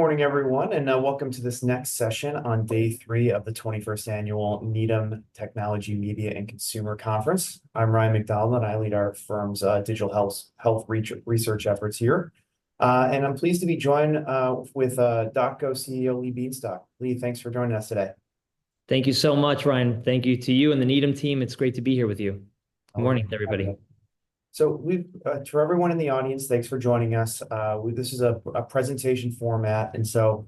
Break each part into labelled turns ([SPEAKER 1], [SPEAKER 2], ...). [SPEAKER 1] Morning everyone, welcome to this next session on day three of the 21st Annual Needham Technology, Media, and Consumer Conference. I'm Ryan MacDonald. I lead our firm's digital health research efforts here. I'm pleased to be joined with DocGo CEO, Lee Bienstock. Lee, thanks for joining us today.
[SPEAKER 2] Thank you so much, Ryan. Thank you to you and the Needham team. It's great to be here with you.
[SPEAKER 1] Okay.
[SPEAKER 2] Good morning everybody.
[SPEAKER 1] To everyone in the audience, thanks for joining us. This is a presentation format, and so,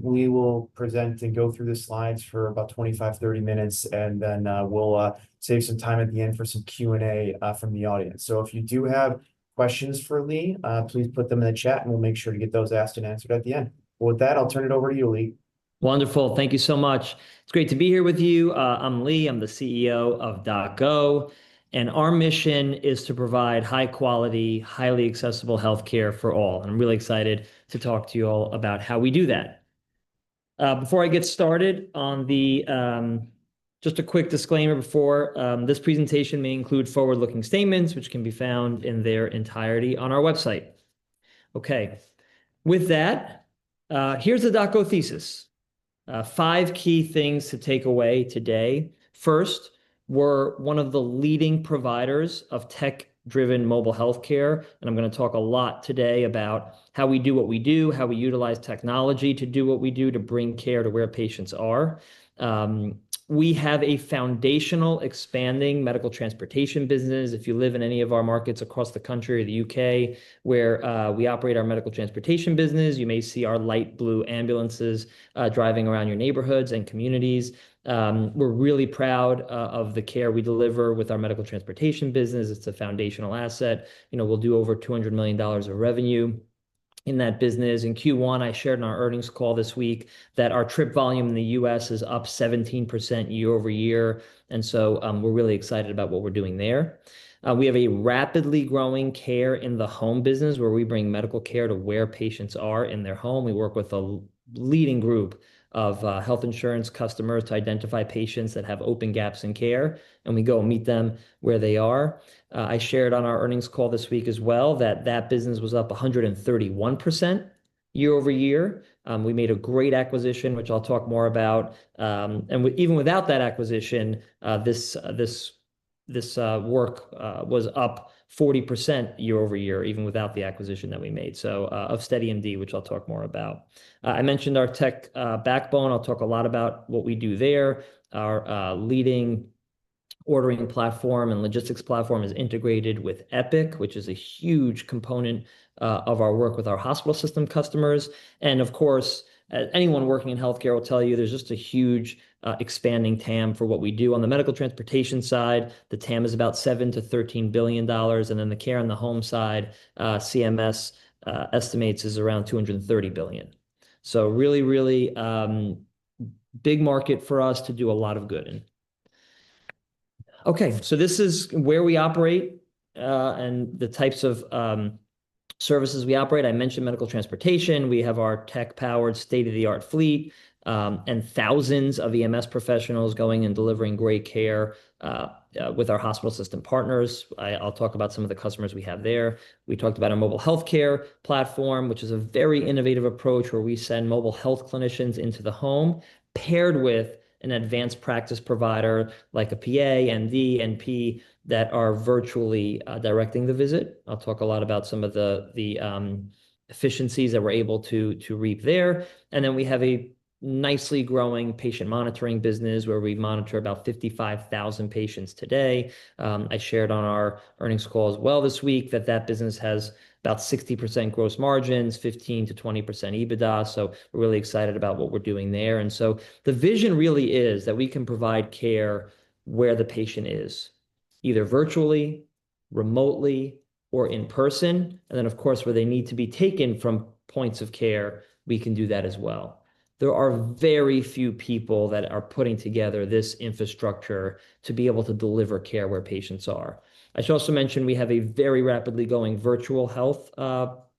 [SPEAKER 1] we will present and go through the slides for about 25, 30 minutes, and then, we'll save some time at the end for some Q&A from the audience. If you do have questions for Lee, please put them in the chat and we'll make sure to get those asked and answered at the end. With that, I'll turn it over to you, Lee.
[SPEAKER 2] Wonderful. Thank you so much. It's great to be here with you. I'm Lee, I'm the CEO of DocGo, and our mission is to provide high quality, highly accessible healthcare for all, and I'm really excited to talk to you all about how we do that. Just a quick disclaimer before, this presentation may include forward-looking statements which can be found in their entirety on our website. Okay. With that, here's the DocGo thesis. five key things to take away today. First, we're one of the leading providers of tech-driven mobile healthcare, and I'm gonna talk a lot today about how we do what we do, how we utilize technology to do what we do to bring care to where patients are. We have a foundational expanding medical transportation business. If you live in any of our markets across the country or the U.K. where we operate our medical transportation business, you may see our light blue ambulances driving around your neighborhoods and communities. We're really proud of the care we deliver with our medical transportation business. It's a foundational asset. You know, we'll do over $200 million of revenue in that business. In Q1, I shared in our earnings call this week that our trip volume in the U.S. is up 17% year-over-year. We're really excited about what we're doing there. We have a rapidly growing care in the home business where we bring medical care to where patients are in their home. We work with a leading group of health insurance customers to identify patients that have open gaps in care, and we go meet them where they are. I shared on our earnings call this week as well that that business was up 131% year-over-year. We made a great acquisition, which I'll talk more about. Even without that acquisition, this work was up 40% year-over-year even without the acquisition that we made. Of SteadyMD, which I'll talk more about. I mentioned our tech backbone. I'll talk a lot about what we do there. Our leading ordering platform and logistics platform is integrated with Epic, which is a huge component of our work with our hospital system customers. Of course, anyone working in healthcare will tell you there's just a huge, expanding TAM for what we do. On the medical transportation side, the TAM is about $7 billion-$13 billion, in the care in the home side, CMS estimates is around $230 billion. Really, really big market for us to do a lot of good in. Okay. This is where we operate, and the types of services we operate. I mentioned medical transportation. We have our tech-powered state-of-the-art fleet, and thousands of EMS professionals going and delivering great care with our hospital system partners. I'll talk about some of the customers we have there. We talked about our mobile healthcare platform, which is a very innovative approach where we send mobile health clinicians into the home paired with an advanced practice provider like a PA, ND, NP, that are virtually directing the visit. I'll talk a lot about some of the efficiencies that we're able to reap there. We have a nicely growing patient monitoring business where we monitor about 55,000 patients today. I shared on our earnings call as well this week that that business has about 60% gross margins, 15%-20% EBITDA, we're really excited about what we're doing there. The vision really is that we can provide care where the patient is, either virtually, remotely, or in person. Of course, where they need to be taken from points of care, we can do that as well. There are very few people that are putting together this infrastructure to be able to deliver care where patients are. I should also mention we have a very rapidly growing virtual health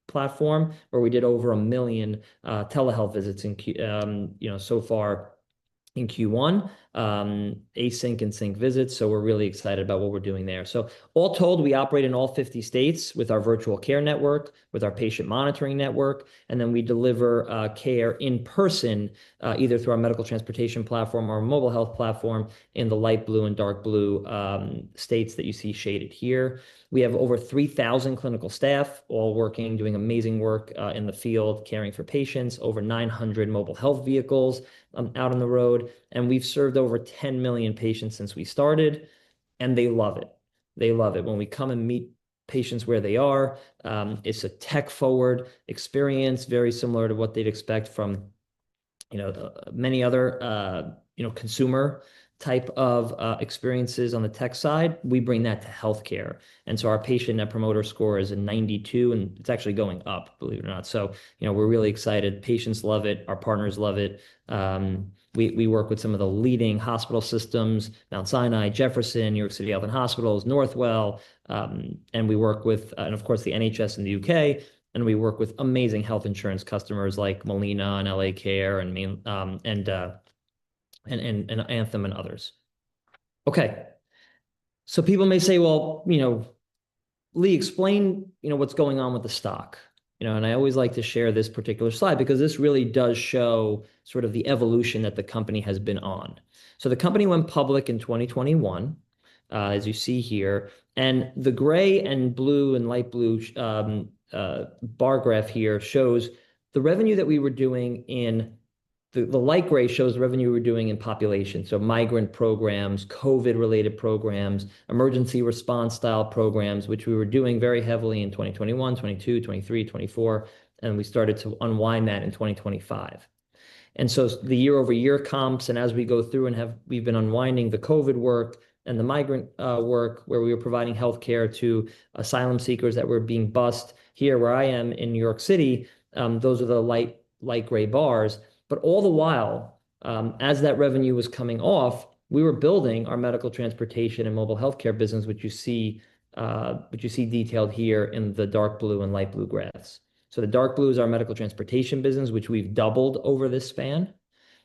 [SPEAKER 2] platform where we did over 1 million telehealth visits in Q1. Async and sync visits, we're really excited about what we're doing there. All told, we operate in all 50 states with our virtual care network, with our patient monitoring network, and then we deliver care in person either through our medical transportation platform or our mobile health platform in the light blue and dark blue states that you see shaded here. We have over 3,000 clinical staff all working, doing amazing work in the field, caring for patients. Over 900 mobile health vehicles out on the road. We've served over 10 million patients since we started, and they love it. They love it when we come and meet patients where they are. It's a tech-forward experience, very similar to what they'd expect from, you know, many other, you know, consumer type of experiences on the tech side. We bring that to healthcare. Our patient net promoter score is a 92, and it's actually going up, believe it or not. You know, we're really excited. Patients love it. Our partners love it. We work with some of the leading hospital systems, Mount Sinai, Jefferson, NYC Health + Hospitals, Northwell, and we work with, and of course the NHS in the U.K., and we work with amazing health insurance customers like Molina and L.A. Care and Anthem and others. Okay. People may say, "Well, you know, Lee, explain, you know, what's going on with the stock." I always like to share this particular slide because this really does show sort of the evolution that the company has been on. The company went public in 2021, as you see here, and the gray and blue and light blue bar graph here shows the revenue that we were doing in population. Migrant programs, COVID-related programs, emergency response style programs, which we were doing very heavily in 2021, 2022, 2023, 2024, and we started to unwind that in 2025. The year-over-year comps and as we go through, we've been unwinding the COVID work and the migrant work where we were providing healthcare to asylum seekers that were being bused here where I am in New York City, those are the light gray bars. All the while, as that revenue was coming off, we were building our medical transportation and mobile healthcare business, which you see detailed here in the dark blue and light blue graphs. The dark blue is our medical transportation business, which we've doubled over this span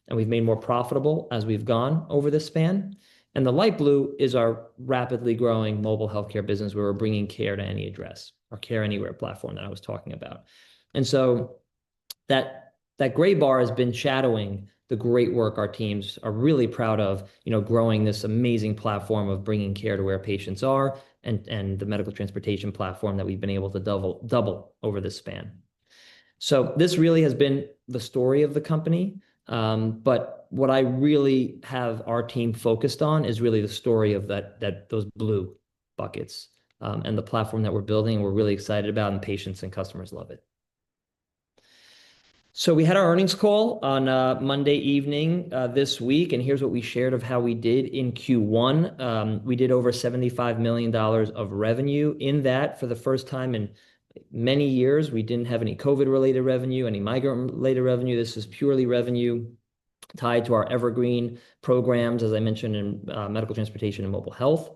[SPEAKER 2] and we've made more profitable as we've gone over this span. The light blue is our rapidly growing mobile healthcare business where we're bringing care to any address or Care Anywhere platform that I was talking about. That gray bar has been shadowing the great work our teams are really proud of, you know, growing this amazing platform of bringing care to where patients are and the medical transportation platform that we've been able to double over this span. This really has been the story of the company. What I really have our team focused on is really the story of that, those blue buckets, and the platform that we're building, and we're really excited about, and patients and customers love it. We had our earnings call on Monday evening this week, and here's what we shared of how we did in Q1. We did over $75 million of revenue in that for the first time in many years. We didn't have any COVID-related revenue, any migrant-related revenue. This was purely revenue tied to our evergreen programs, as I mentioned in medical transportation and mobile health.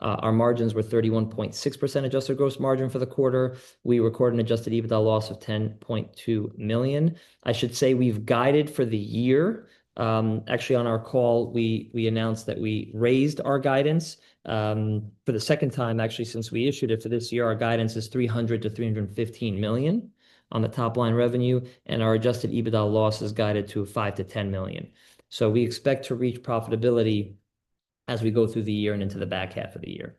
[SPEAKER 2] Our margins were 31.6% adjusted gross margin for the quarter. We recorded an adjusted EBITDA loss of $10.2 million. I should say we've guided for the year. Actually, on our call, we announced that we raised our guidance for the second time, actually, since we issued it for this year. Our guidance is $300 million-$315 million on the top line revenue, our adjusted EBITDA loss is guided to a $5 million-$10 million. We expect to reach profitability as we go through the year and into the back half of the year.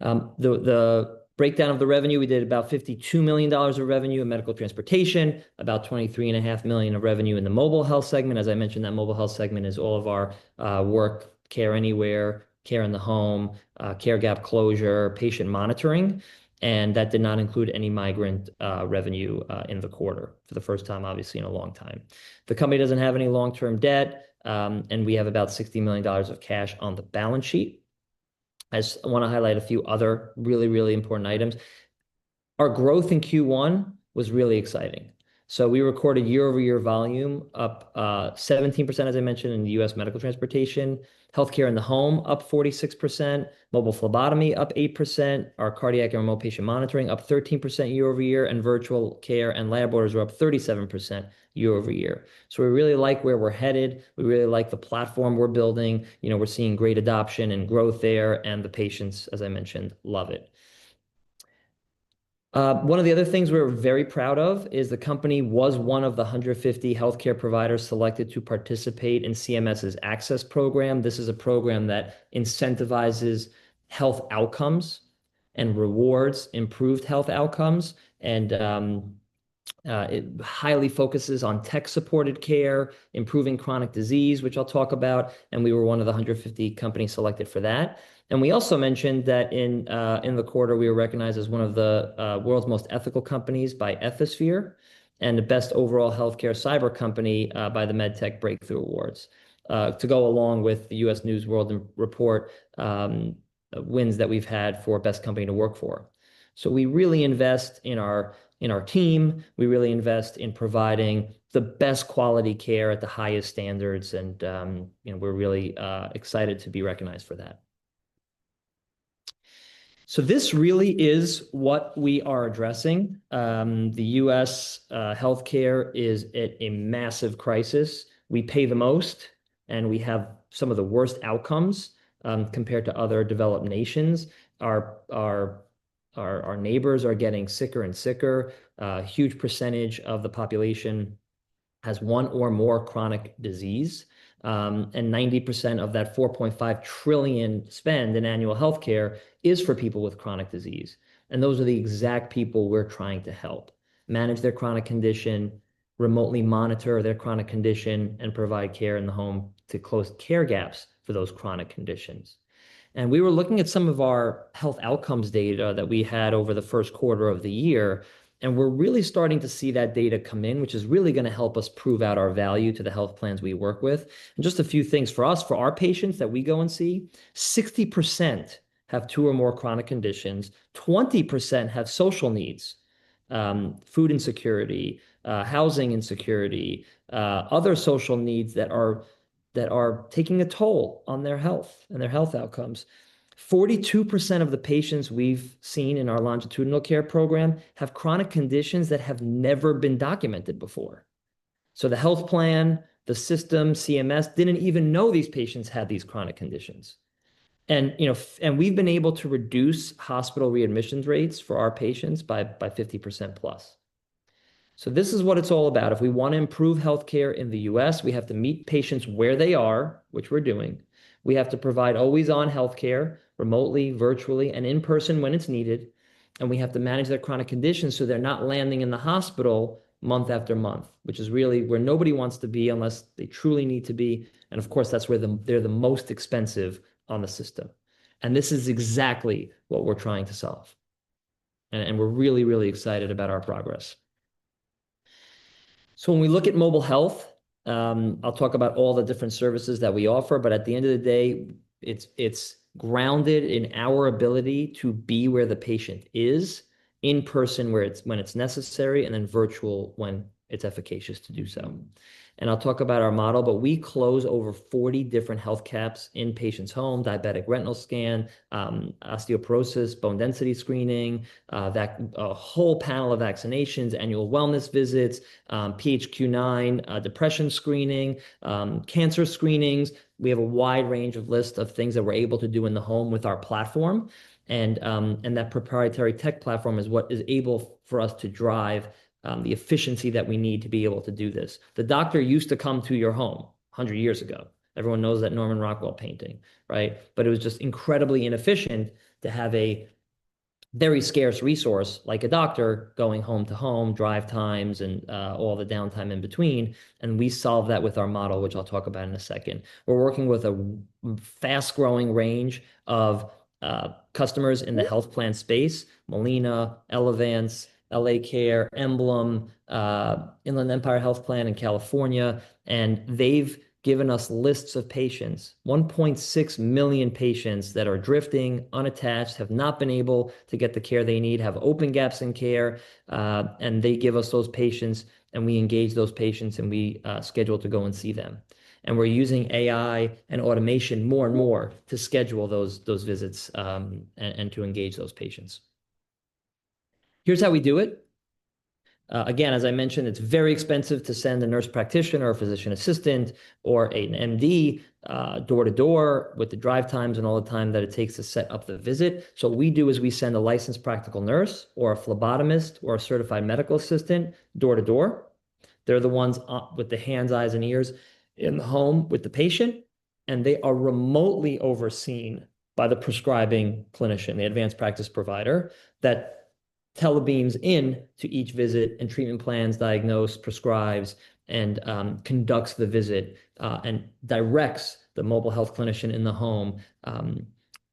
[SPEAKER 2] The breakdown of the revenue, we did about $52 million of revenue in medical transportation, about $23.5 million of revenue in the mobile health segment. As I mentioned that mobile health segment is all of our work Care Anywhere, care in the home, care gap closure, patient monitoring, and that did not include any migrant revenue in the quarter for the first time, obviously, in a long time. The company doesn't have any long-term debt, and we have about $60 million of cash on the balance sheet. I wanna highlight a few other really important items. Our growth in Q1 was really exciting. We recorded year-over-year volume up 17%, as I mentioned, in U.S. medical transportation, healthcare in the home up 46%, mobile phlebotomy up 8%. Our cardiac and remote patient monitoring up 13% year-over-year, and virtual care and lab orders were up 37% year-over-year. We really like where we're headed. We really like the platform we're building. You know, we're seeing great adoption and growth there, and the patients, as I mentioned, love it. One of the other things we're very proud of is the company was one of the 150 healthcare providers selected to participate in CMS's ACCESS program. This is a program that incentivizes health outcomes and rewards improved health outcomes and it highly focuses on tech-supported care, improving chronic disease, which I'll talk about, and we were one of the 150 companies selected for that. We also mentioned that in the quarter, we were recognized as one of the world's most ethical companies by Ethisphere and the best overall healthcare cyber company by the MedTech Breakthrough Awards, to go along with the U.S. News & World Report wins that we've had for best company to work for. We really invest in our team. We really invest in providing the best quality care at the highest standards and, you know, we're really excited to be recognized for that. This really is what we are addressing. The U.S. healthcare is at a massive crisis. We pay the most, and we have some of the worst outcomes compared to other developed nations. Our neighbors are getting sicker and sicker. A huge percentage of the population has one or more chronic disease. 90% of that $4.5 trillion spend in annual healthcare is for people with chronic disease, and those are the exact people we're trying to help manage their chronic condition, remotely monitor their chronic condition, and provide care in the home to close care gaps for those chronic conditions. We were looking at some of our health outcomes data that we had over the first quarter of the year, and we're really starting to see that data come in, which is really gonna help us prove out our value to the health plans we work with. Just a few things for us, for our patients that we go and see, 60% have two or more chronic conditions. 20% have social needs, food insecurity, housing insecurity, other social needs that are taking a toll on their health and their health outcomes. 42% of the patients we've seen in our longitudinal care program have chronic conditions that have never been documented before. The health plan, the system, CMS, didn't even know these patients had these chronic conditions. You know, we've been able to reduce hospital readmissions rates for our patients by 50%+. This is what it's all about. If we wanna improve healthcare in the U.S., we have to meet patients where they are, which we're doing, we have to provide always-on healthcare remotely, virtually, and in person when it's needed, and we have to manage their chronic conditions so they're not landing in the hospital month after month, which is really where nobody wants to be unless they truly need to be, and of course, that's where they're the most expensive on the system. This is exactly what we're trying to solve and we're really, really excited about our progress. When we look at mobile health, I'll talk about all the different services that we offer, but at the end of the day, it's grounded in our ability to be where the patient is, in person when it's necessary, and then virtual when it's efficacious to do so. I'll talk about our model, but we close over 40 different health gaps in patients' home, diabetic retinal scan, osteoporosis, bone density screening, a whole panel of vaccinations, annual wellness visits, PHQ-9, depression screening, cancer screenings. We have a wide range of list of things that we're able to do in the home with our platform, and that proprietary tech platform is what is able for us to drive the efficiency that we need to be able to do this. The doctor used to come to your home 100 years ago. Everyone knows that Norman Rockwell painting, right. It was just incredibly inefficient to have a very scarce resource like a doctor going home to home, drive times, and all the downtime in between, and we solve that with our model, which I'll talk about in a second. We're working with a fast-growing range of customers in the health plan space, Molina, Elevance, L.A. Care, Emblem, Inland Empire Health Plan in California, and they've given us lists of patients, 1.6 million patients that are drifting, unattached, have not been able to get the care they need, have open gaps in care, and they give us those patients, and we engage those patients, and we schedule to go and see them. We're using AI and automation more and more to schedule those visits and to engage those patients. Here's how we do it. Again, as I mentioned, it's very expensive to send a nurse practitioner, a physician assistant, or an MD door to door with the drive times and all the time that it takes to set up the visit. What we do is we send a licensed practical nurse or a phlebotomist or a certified medical assistant door to door. They're the ones with the hands, eyes, and ears in the home with the patient, and they are remotely overseen by the prescribing clinician, the advanced practice provider that telebeams in to each visit and treatment plans, diagnose, prescribes, and conducts the visit and directs the mobile health clinician in the home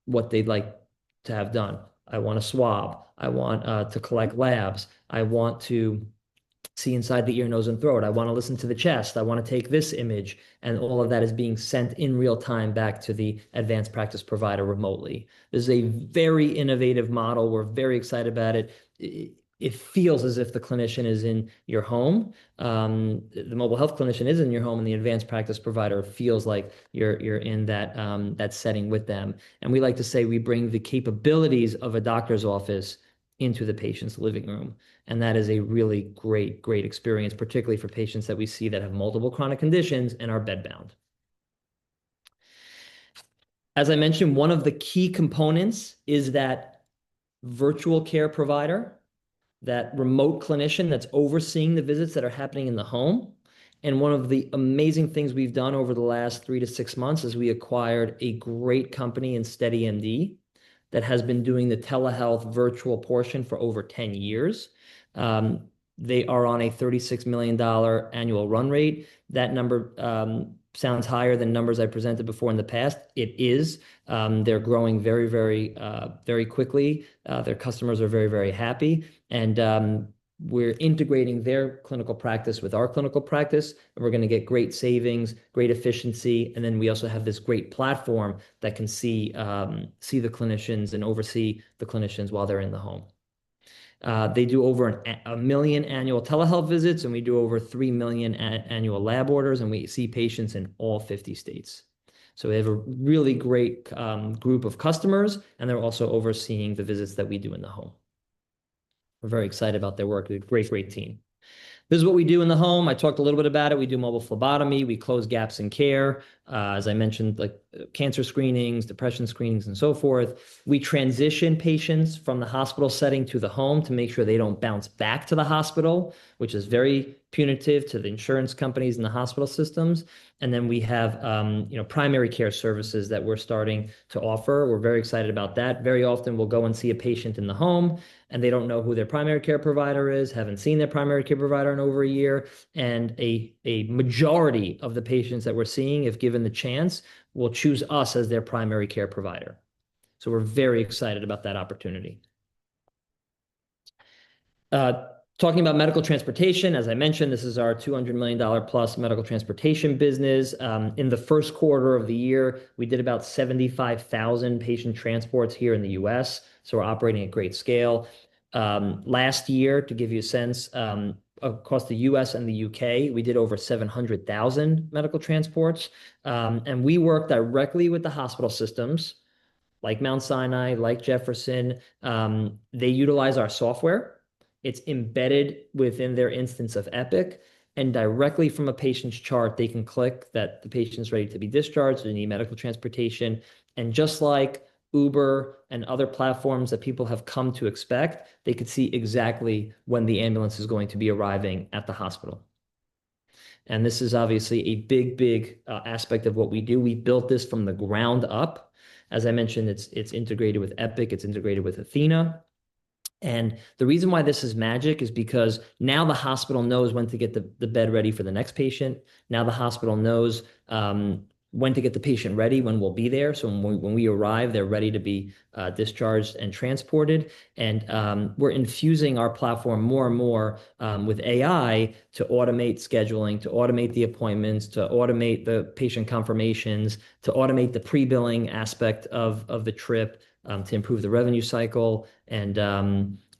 [SPEAKER 2] what they'd like to have done. I want a swab. I want to collect labs. I want to see inside the ear, nose, and throat. I wanna listen to the chest. I wanna take this image. All of that is being sent in real time back to the advanced practice provider remotely. This is a very innovative model. We're very excited about it. It feels as if the clinician is in your home. The mobile health clinician is in your home, and the advanced practice provider feels like you're in that setting with them. We like to say we bring the capabilities of a doctor's office into the patient's living room, and that is a really great experience, particularly for patients that we see that have multiple chronic conditions and are bed-bound. As I mentioned, one of the key components is that virtual care provider, that remote clinician that's overseeing the visits that are happening in the home, and one of the amazing things we've done over the last three to six months is we acquired a great company in SteadyMD that has been doing the telehealth virtual portion for over 10 years. They are on a $36 million annual run rate. That number sounds higher than numbers I've presented before in the past. It is. They're growing very, very quickly. Their customers are very, very happy and we're integrating their clinical practice with our clinical practice, and we're gonna get great savings, great efficiency, and then we also have this great platform that can see the clinicians and oversee the clinicians while they're in the home. They do over 1 million annual telehealth visits, and we do over 3 million annual lab orders, and we see patients in all 50 states. We have a really great group of customers, and they're also overseeing the visits that we do in the home. We're very excited about their work. They're a great team. This is what we do in the home. I talked a little bit about it. We do mobile phlebotomy. We close gaps in care, as I mentioned, like, cancer screenings, depression screenings, and so forth. We transition patients from the hospital setting to the home to make sure they don't bounce back to the hospital, which is very punitive to the insurance companies and the hospital systems. We have, you know, primary care services that we're starting to offer. We're very excited about that. Very often we'll go and see a patient in the home, and they don't know who their primary care provider is, haven't seen their primary care provider in over a year, and a majority of the patients that we're seeing, if given the chance, will choose us as their primary care provider. We're very excited about that opportunity. Talking about medical transportation, as I mentioned, this is our $200 million plus medical transportation business. In the first quarter of the year, we did about 75,000 patient transports here in the U.S., so we're operating at great scale. Last year, to give you a sense, across the U.S. and the U.K., we did over 700,000 medical transports. We work directly with the hospital systems, like Mount Sinai, like Jefferson, they utilize our software. It's embedded within their instance of Epic, and directly from a patient's chart, they can click that the patient's ready to be discharged, they need medical transportation. Just like Uber and other platforms that people have come to expect, they could see exactly when the ambulance is going to be arriving at the hospital. This is obviously a big, big aspect of what we do. We built this from the ground up. As I mentioned, it's integrated with Epic. It's integrated with athenahealth. The reason why this is magic is because now the hospital knows when to get the bed ready for the next patient. Now the hospital knows when to get the patient ready, when we'll be there, so when we arrive, they're ready to be discharged and transported. We're infusing our platform more and more with AI to automate scheduling, to automate the appointments, to automate the patient confirmations, to automate the pre-billing aspect of the trip, to improve the revenue cycle, and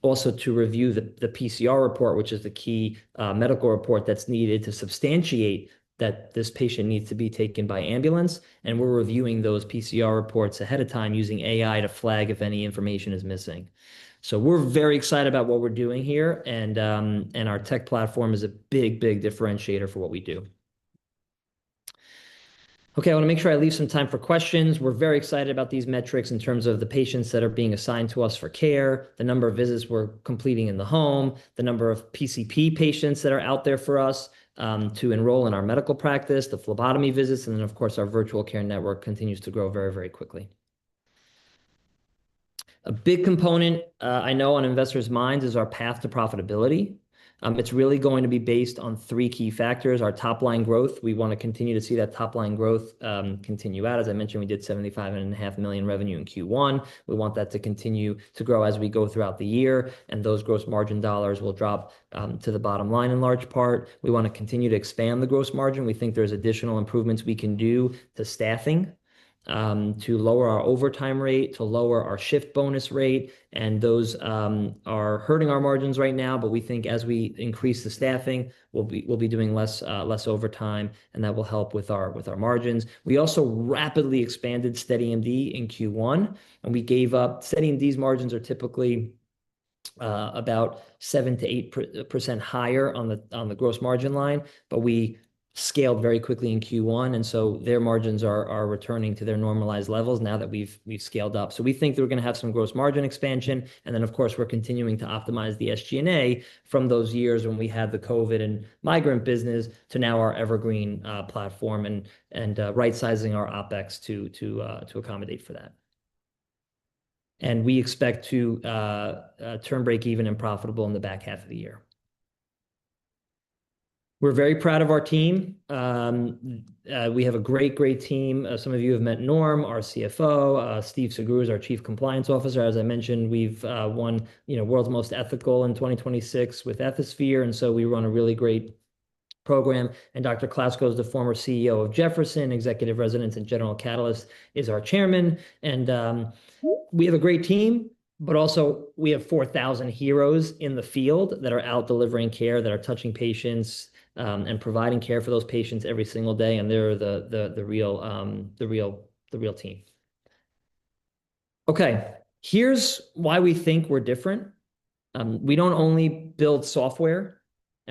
[SPEAKER 2] also to review the PCR report, which is the key medical report that's needed to substantiate that this patient needs to be taken by ambulance. We're reviewing those PCR reports ahead of time using AI to flag if any information is missing. We're very excited about what we're doing here, and our tech platform is a big differentiator for what we do. Okay, I wanna make sure I leave some time for questions. We're very excited about these metrics in terms of the patients that are being assigned to us for care, the number of visits we're completing in the home, the number of PCP patients that are out there for us, to enroll in our medical practice, the phlebotomy visits, and then of course, our virtual care network continues to grow very, very quickly. A big component, I know on investors' minds is our path to profitability. It's really going to be based on three key factors. Our top-line growth. We wanna continue to see that top-line growth continue out. As I mentioned, we did $75.5 million revenue in Q1. We want that to continue to grow as we go throughout the year, and those gross margin dollars will drop to the bottom line in large part. We wanna continue to expand the gross margin. We think there's additional improvements we can do to staffing, to lower our overtime rate, to lower our shift bonus rate, and those are hurting our margins right now. We think as we increase the staffing, we'll be doing less overtime, and that will help with our margins. We also rapidly expanded SteadyMD in Q1. SteadyMD's margins are typically 7%-8% higher on the gross margin line, we scaled very quickly in Q1, their margins are returning to their normalized levels now that we've scaled up. We think that we're gonna have some gross margin expansion, and then of course, we're continuing to optimize the SG&A from those years when we had the COVID and migrant business to now our evergreen platform and right-sizing our OPEX to accommodate for that. We expect to turn breakeven and profitable in the back half of the year. We're very proud of our team. We have a great team. Some of you have met Norm, our CFO. Steve Segur is our Chief Compliance Officer. As I mentioned, we've won, you know, World's Most Ethical in 2026 with Ethisphere, we run a really great program. Dr. Klasko is the former CEO of Jefferson, Executive in Residence, General Catalyst is our Chairman. We have a great team, but also, we have 4,000 heroes in the field that are out delivering care, that are touching patients, and providing care for those patients every single day, and they're the real team. Okay. Here's why we think we're different. We don't only build software,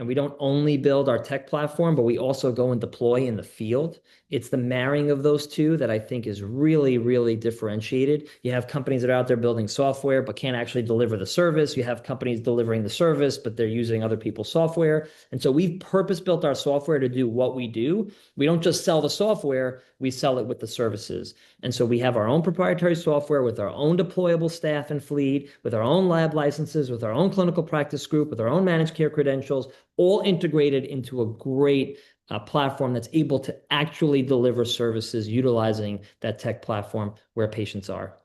[SPEAKER 2] we don't only build our tech platform, but we also go and deploy in the field. It's the marrying of those two that I think is really, really differentiated. You have companies that are out there building software but can't actually deliver the service. You have companies delivering the service, but they're using other people's software. We've purpose-built our software to do what we do. We don't just sell the software. We sell it with the services. We have our own proprietary software with our own deployable staff and fleet, with our own lab licenses, with our own clinical practice group, with our own managed care credentials, all integrated into a great platform that's able to actually deliver services utilizing that tech platform where patients are.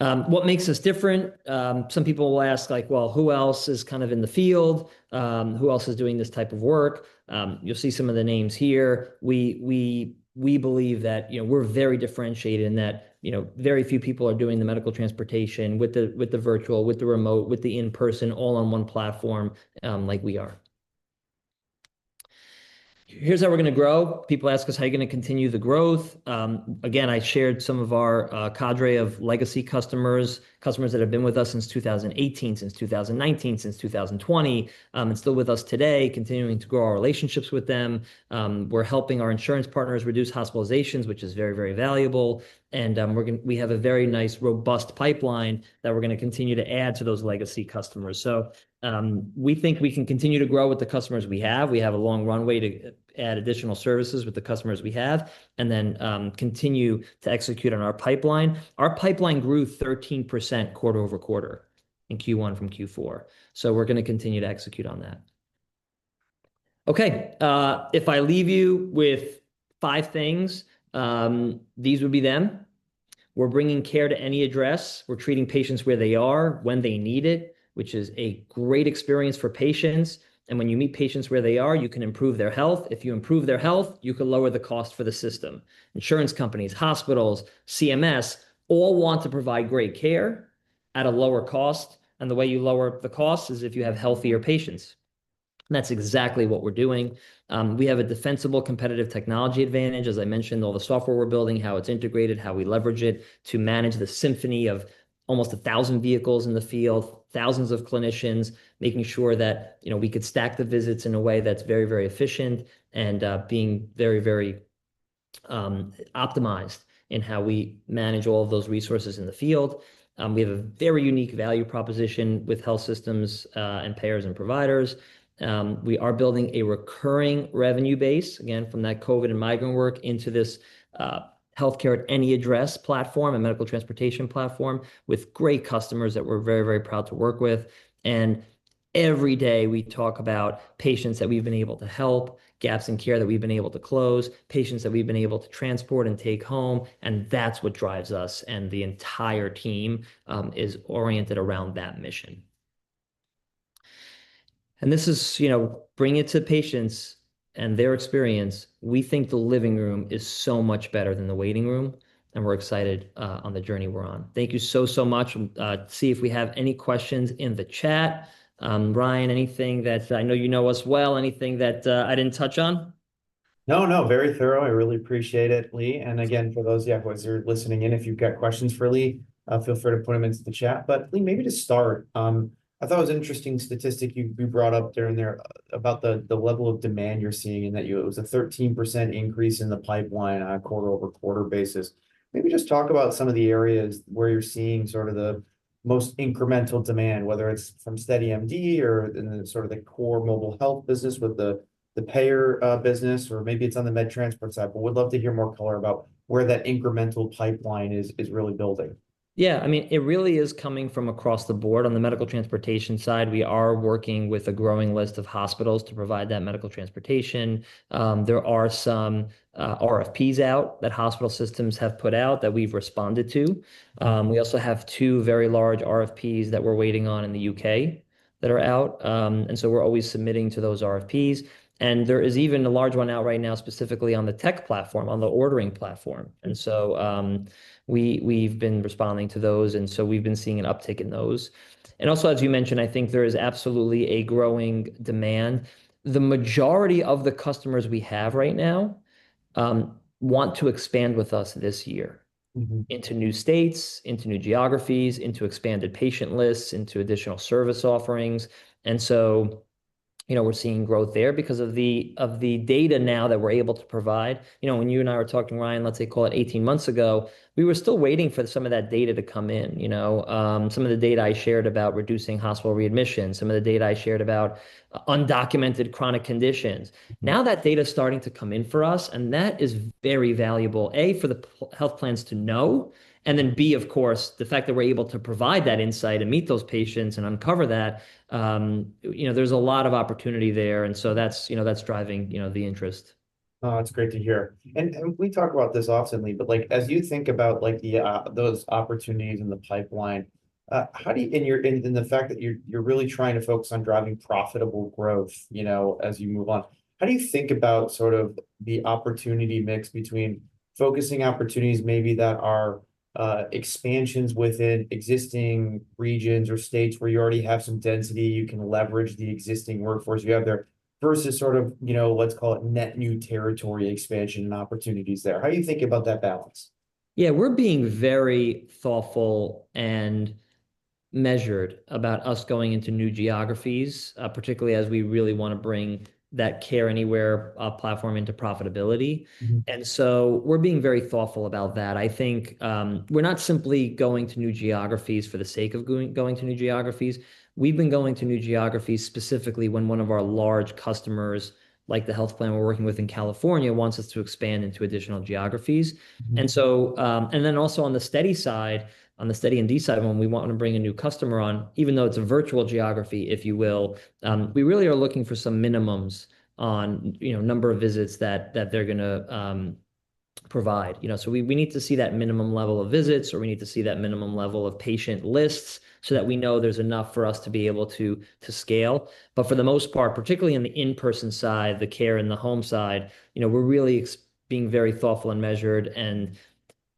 [SPEAKER 2] What makes us different? Some people will ask, like, "Well, who else is kind of in the field? Who else is doing this type of work?" You'll see some of the names here. We believe that, you know, we're very differentiated and that, you know, very few people are doing the medical transportation with the virtual, with the remote, with the in-person all on one platform, like we are. Here's how we're gonna grow. People ask us, "How are you gonna continue the growth?" Again, I shared some of our cadre of legacy customers that have been with us since 2018, since 2019, since 2020, and still with us today, continuing to grow our relationships with them. We're helping our insurance partners reduce hospitalizations, which is very, very valuable, and we have a very nice, robust pipeline that we're gonna continue to add to those legacy customers. We think we can continue to grow with the customers we have. We have a long runway to add additional services with the customers we have and then continue to execute on our pipeline. Our pipeline grew 13% quarter-over-quarter in Q1 from Q4. We're gonna continue to execute on that. Okay. If I leave you with five things, these would be them. We're bringing care to any address. We're treating patients where they are when they need it, which is a great experience for patients. When you meet patients where they are, you can improve their health. If you improve their health, you can lower the cost for the system. Insurance companies, hospitals, CMS all want to provide great care at a lower cost. The way you lower the cost is if you have healthier patients. That's exactly what we're doing. We have a defensible competitive technology advantage. As I mentioned, all the software we're building, how it's integrated, how we leverage it to manage the symphony of almost 1,000 vehicles in the field, thousands of clinicians, making sure that, you know, we could stack the visits in a way that's very, very efficient and being very, very optimized in how we manage all of those resources in the field. We have a very unique value proposition with health systems and payers and providers. We are building a recurring revenue base, again, from that COVID and migrant work into this healthcare at any address platform and medical transportation platform with great customers that we're very, very proud to work with. Every day we talk about patients that we've been able to help, gaps in care that we've been able to close, patients that we've been able to transport and take home, that's what drives us, and the entire team is oriented around that mission. This is, you know, bring it to patients and their experience. We think the living room is so much better than the waiting room, and we're excited on the journey we're on. Thank you so much. See if we have any questions in the chat. Ryan, anything that I know you know us well. Anything that I didn't touch on?
[SPEAKER 1] No, no, very thorough. I really appreciate it, Lee. Again, for those, folks who are listening in, if you've got questions for Lee, feel free to put them into the chat. Lee, maybe to start, I thought it was an interesting statistic you brought up during there about the level of demand you're seeing and that it was a 13% increase in the pipeline on a quarter-over-quarter basis. Maybe just talk about some of the areas where you're seeing sort of the most incremental demand, whether it's from SteadyMD or in the sort of the core mobile health business with the payer business, or maybe it's on the med transport side. We'd love to hear more color about where that incremental pipeline is really building.
[SPEAKER 2] Yeah, I mean, it really is coming from across the board. On the medical transportation side, we are working with a growing list of hospitals to provide that medical transportation. There are some RFPs out that hospital systems have put out that we've responded to. We also have two very large RFPs that we're waiting on in the U.K. that are out. We're always submitting to those RFPs. There is even a large one out right now specifically on the tech platform, on the ordering platform. We've been responding to those, we've been seeing an uptick in those. As you mentioned, I think there is absolutely a growing demand. The majority of the customers we have right now want to expand with us this year. into new states, into new geographies, into expanded patient lists, into additional service offerings. You know, we're seeing growth there because of the data now that we're able to provide. You know, when you and I were talking, Ryan, let's say call it 18 months ago, we were still waiting for some of that data to come in, you know? Some of the data I shared about reducing hospital readmissions, some of the data I shared about undocumented chronic conditions. Now that data's starting to come in for us, and that is very valuable. A, for the health plans to know, and then B, of course, the fact that we're able to provide that insight and meet those patients and uncover that, you know, there's a lot of opportunity there. That's, you know, that's driving, you know, the interest.
[SPEAKER 1] Oh, that's great to hear. We talk about this often, Lee, but as you think about those opportunities in the pipeline, and the fact that you're really trying to focus on driving profitable growth, you know, as you move on, how do you think about the opportunity mix between focusing opportunities maybe that are expansions within existing regions or states where you already have some density, you can leverage the existing workforce you have there, versus, you know, let's call it net new territory expansion and opportunities there? How do you think about that balance?
[SPEAKER 2] Yeah, we're being very thoughtful and measured about us going into new geographies, particularly as we really wanna bring that Care Anywhere platform into profitability. We're being very thoughtful about that. I think, we're not simply going to new geographies for the sake of going to new geographies. We've been going to new geographies specifically when one of our large customers, like the health plan we're working with in California, wants us to expand into additional geographies. Also on the Steady side, on the SteadyMD side, when we want to bring a new customer on, even though it's a virtual geography, if you will, we really are looking for some minimums on, you know, number of visits that they're gonna provide. You know? We need to see that minimum level of visits or we need to see that minimum level of patient lists so that we know there's enough for us to be able to scale. For the most part, particularly on the in-person side, the Care Anywhere side, you know, we're really being very thoughtful and measured and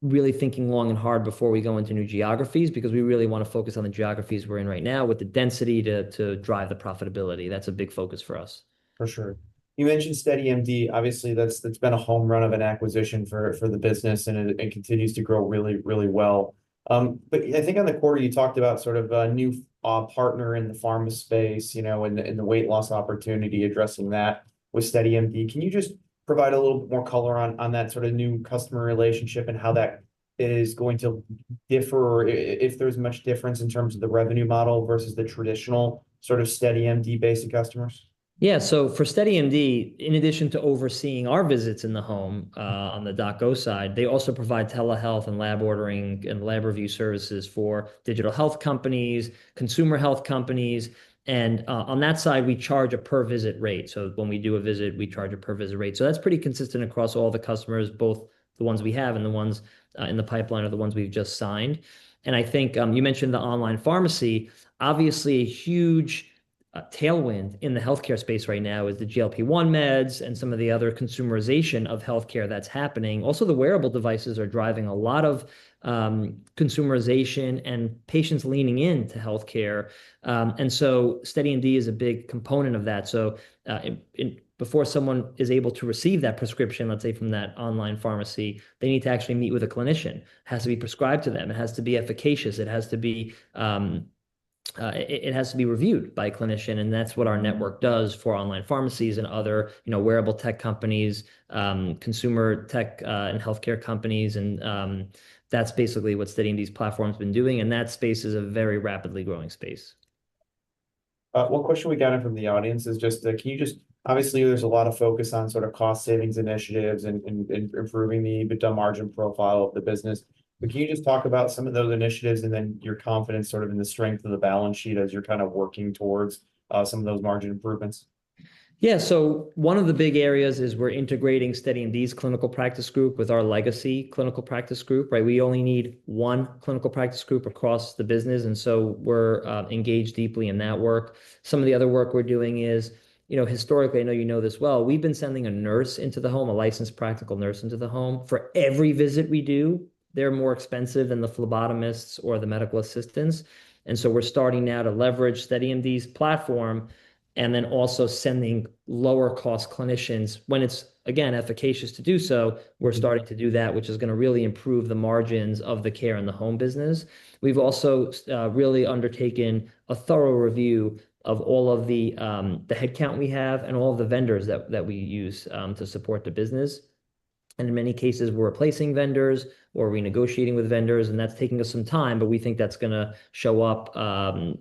[SPEAKER 2] really thinking long and hard before we go into new geographies because we really wanna focus on the geographies we're in right now with the density to drive the profitability. That's a big focus for us.
[SPEAKER 1] For sure. You mentioned SteadyMD. Obviously that's been a home run of an acquisition for the business and it continues to grow really, really well. I think on the quarter you talked about sort of a new partner in the pharma space, you know, in the weight loss opportunity addressing that with SteadyMD. Can you just provide a little bit more color on that sort of new customer relationship and how that is going to differ if there's much difference in terms of the revenue model versus the traditional sort of SteadyMD basic customers?
[SPEAKER 2] Yeah. For SteadyMD, in addition to overseeing our visits in the home, on the DocGo side, they also provide telehealth and lab ordering and lab review services for digital health companies, consumer health companies. On that side, we charge a per visit rate. When we do a visit, we charge a per visit rate. That's pretty consistent across all the customers, both the ones we have and the ones in the pipeline or the ones we've just signed. I think, you mentioned the online pharmacy, obviously a huge tailwind in the healthcare space right now is the GLP-1 meds and some of the other consumerization of healthcare that's happening. Also, the wearable devices are driving a lot of consumerization and patients leaning in to healthcare. SteadyMD is a big component of that. Before someone is able to receive that prescription, let's say from that online pharmacy, they need to actually meet with a clinician. It has to be prescribed to them. It has to be efficacious. It has to be reviewed by a clinician, and that's what our network does for online pharmacies and other, you know, wearable tech companies, consumer tech, and healthcare companies and that's basically what SteadyMD's platform's been doing and that space is a very rapidly growing space.
[SPEAKER 1] One question we got in from the audience is just, can you Obviously there's a lot of focus on sort of cost-savings initiatives and improving the EBITDA margin profile of the business. Can you just talk about some of those initiatives and then your confidence sort of in the strength of the balance sheet as your kind of working towards some of those margin improvements?
[SPEAKER 2] Yeah. One of the big areas is we're integrating SteadyMD's clinical practice group with our legacy clinical practice group, right? We only need one clinical practice group across the business; we're engaged deeply in that work. Some of the other work we're doing is, you know, historically, I know you know this well, we've been sending a nurse into the home, a licensed practical nurse into the home for every visit we do. They're more expensive than the phlebotomists or the medical assistants. We're starting now to leverage SteadyMD's platform and then also sending lower cost clinicians when it's, again, efficacious to do so. We're starting to do that, which is gonna really improve the margins of the care in the home business. We've also really undertaken a thorough review of all of the headcount we have and all the vendors that we use to support the business. In many cases we're replacing vendors or renegotiating with vendors and that's taking us some time, but we think that's gonna show up,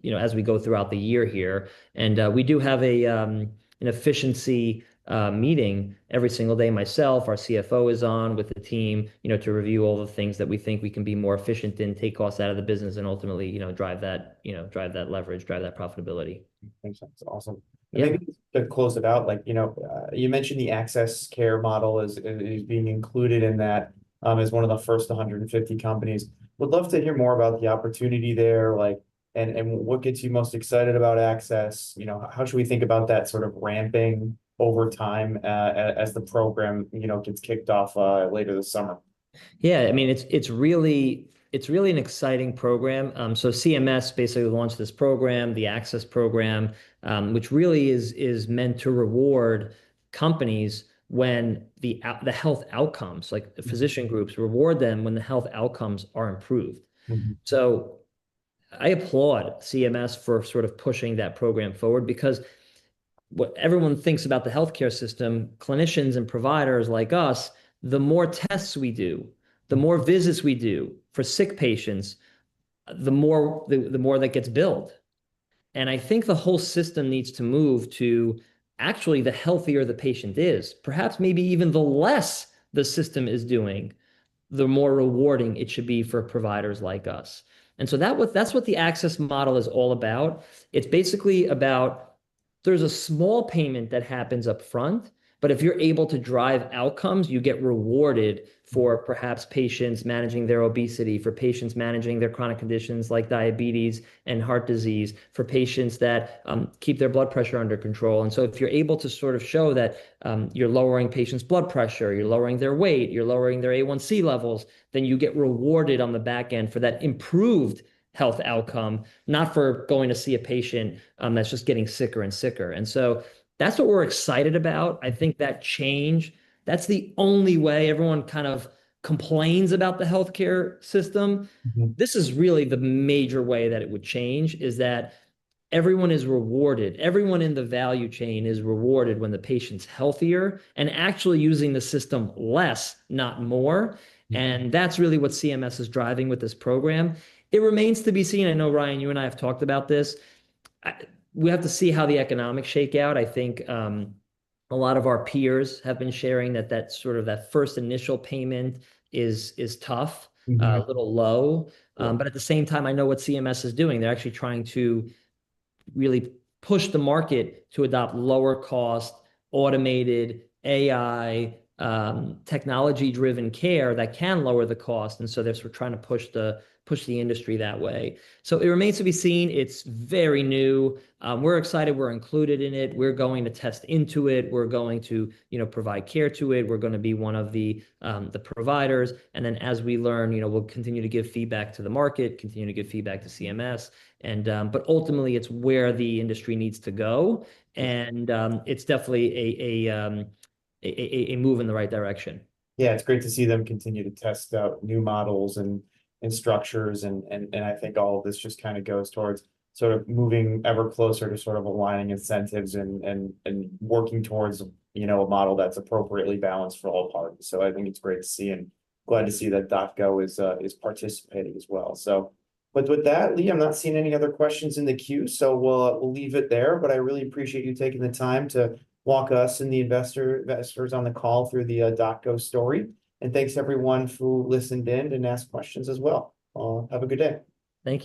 [SPEAKER 2] you know, as we go throughout the year here. We do have an efficiency meeting every single day. Myself, our CFO is on with the team, you know, to review all the things that we think we can be more efficient and take costs out of the business and ultimately, drive that leverage, drive that profitability.
[SPEAKER 1] Thanks. That's awesome.
[SPEAKER 2] Yeah.
[SPEAKER 1] Maybe just to close it out, like, you know, you mentioned the ACCESS Model is being included in that, as one of the first 150 companies. Would love to hear more about the opportunity there, like, and what gets you most excited about ACCESS, you know? How should we think about that sort of ramping over time, as the program, you know, gets kicked off later this summer?
[SPEAKER 2] Yeah, I mean, it's really an exciting program. CMS basically launched this program, the Access Program, which really is meant to reward companies when the health outcomes, like the physician groups reward them when the health outcomes are improved. I applaud CMS for sort of pushing that program forward because what everyone thinks about the healthcare system, clinicians and providers like us, the more tests we do, the more visits we do for sick patients, the more that gets billed. I think the whole system needs to move to actually the healthier the patient is, perhaps maybe even the less the system is doing, the more rewarding it should be for providers like us. That's what the ACCESS Model is all about. It's basically about there's a small payment that happens up front, but if you're able to drive outcomes, you get rewarded for perhaps patients managing their obesity, for patients managing their chronic conditions like diabetes and heart disease, for patients that keep their blood pressure under control. If you're able to sort of show that, you're lowering patients' blood pressure, you're lowering their weight, you're lowering their A1C levels, then you get rewarded on the back end for that improved health outcome, not for going to see a patient that's just getting sicker and sicker. That's what we're excited about. I think that change, that's the only way everyone kind of complains about the healthcare system. This is really the major way that it would change is that everyone is rewarded. Everyone in the value chain is rewarded when the patient's healthier and actually using the system less, not more.
[SPEAKER 1] Yeah.
[SPEAKER 2] That's really what CMS is driving with this program. It remains to be seen, I know, Ryan, you and I have talked about this. We have to see how the economics shake out. I think a lot of our peers have been sharing that that's sort of that first initial payment is tough. A little low. But at the same time, I know what CMS is doing. They're actually trying to really push the market to adopt lower cost, automated AI, technology-driven care that can lower the cost. We're trying to push the industry that way. It remains to be seen. It's very new. We're excited we're included in it. We're going to test into it. We're going to, you know, provide care to it. We're gonna be one of the providers. Then as we learn, you know, we'll continue to give feedback to the market, continue to give feedback to CMS. But ultimately it's where the industry needs to go. It's definitely a move in the right direction.
[SPEAKER 1] Yeah. It's great to see them continue to test out new models and structures, and I think all of this just kind of goes towards moving ever closer to aligning incentives and working towards, you know, a model that's appropriately balanced for all parties. I think it's great to see and glad to see that DocGo is participating as well. With that, Lee, I'm not seeing any other questions in the queue, we'll leave it there. I really appreciate you taking the time to walk us and the investors on the call through the DocGo story. Thanks everyone who listened in and asked questions as well. All have a good day.
[SPEAKER 2] Thank you.